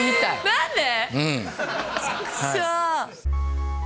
何で？